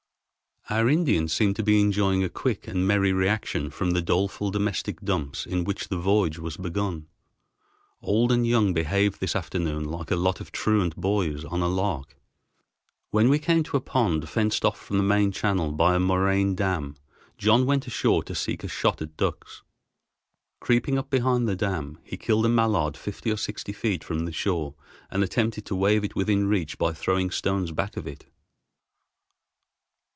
Our Indians seemed to be enjoying a quick and merry reaction from the doleful domestic dumps in which the voyage was begun. Old and young behaved this afternoon like a lot of truant boys on a lark. When we came to a pond fenced off from the main channel by a moraine dam, John went ashore to seek a shot at ducks. Creeping up behind the dam, he killed a mallard fifty or sixty feet from the shore and attempted to wave it within reach by throwing stones back of it.